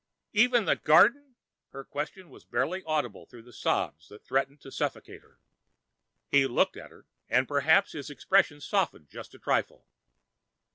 "Even the garden?" Her question was barely audible through the sobs that threatened to suffocate her. He looked at her and perhaps his expression softened just a trifle.